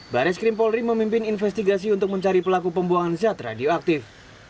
bares krimpolri memimpin investigasi untuk mencari pelaku pembuangan zat radioaktif